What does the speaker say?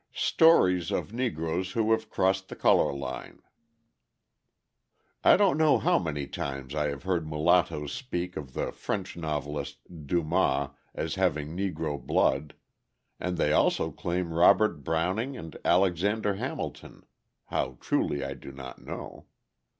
Stories of Negroes Who Have Crossed the Colour Line I don't know how many times I have heard mulattoes speak of the French novelist Dumas as having Negro blood, and they also claim Robert Browning and Alexander Hamilton (how truly I do not know).